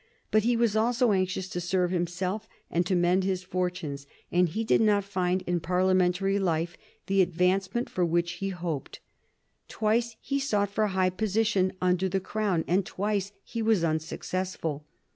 But he was also anxious to serve himself and to mend his fortunes, and he did not find in Parliamentary life the advancement for which he hoped. Twice he sought for high position under the Crown, and twice he was unsuccessful.